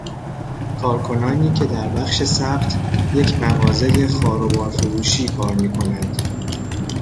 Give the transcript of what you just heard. کارکنانی که در بخش ثبت، یک مغازه خار و بار فروشی کار میکنند.